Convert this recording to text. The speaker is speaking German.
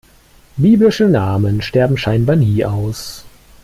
Biblische Namen sterben scheinbar nie aus.